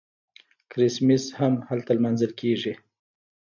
کریسمس هم هلته لمانځل کیږي.